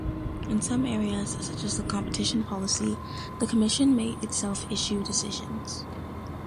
In some areas, such as competition policy, the Commission may itself issue decisions.